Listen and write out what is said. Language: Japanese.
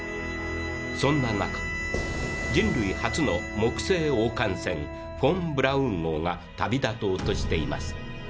そんな中人類初の木星往還船フォン・ブラウン号が旅立とうとしています。